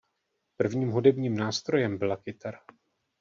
Prvním hudebním nástrojem byla kytara.